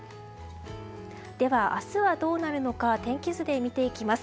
では、明日はどうなるのか天気図で見ていきます。